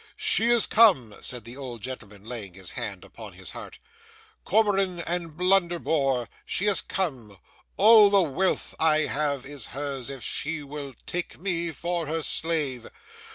'She is come!' said the old gentleman, laying his hand upon his heart. 'Cormoran and Blunderbore! She is come! All the wealth I have is hers if she will take me for her slave.